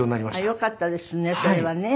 あっよかったですね